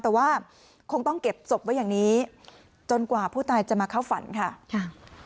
แต่ว่าคงต้องเก็บศพไว้อย่างนี้จนกว่าผู้ตายจะมาเข้าฝันค่ะค่ะ